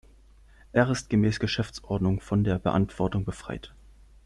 Er ist gemäß Geschäftsordnung von der Beantwortung befreit.